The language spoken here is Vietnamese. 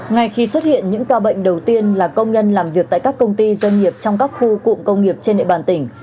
ngay khi xuất hiện những ca bệnh đầu tiên là công nhân làm việc tại các công ty doanh nghiệp trong các khu cụm công nghiệp trên địa bàn tỉnh